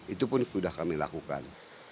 itu pun sudah kami lakukan